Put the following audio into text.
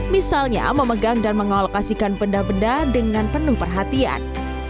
misalnya memegang dan mengalokasikan benda benda dengan penuh perhatian